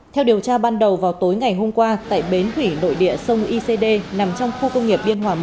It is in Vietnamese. theo điều tra ban đầu vào tối ngày hôm qua tại bến thủy nội địa sông icd nằm trong khu công nghiệp biên hòa một